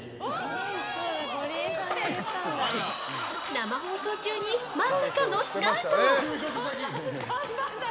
生放送中にまさかのスカウト？